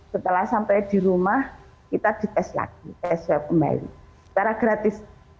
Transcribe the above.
setelah sampai di rumah kita di tes lagi tes swab kembali secara gratis